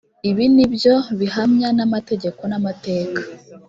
ibi ni byo bihamya n amategeko n amateka